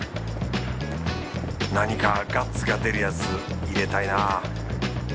何かガッツが出るやつ入れたいな。